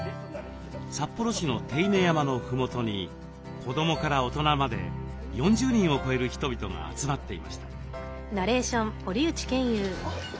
札幌市の手稲山のふもとに子どもから大人まで４０人を超える人々が集まっていました。